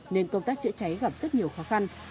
nên công tác chữa cháy gặp rất nhiều khó khăn